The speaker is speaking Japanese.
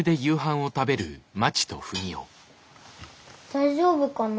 大丈夫かな？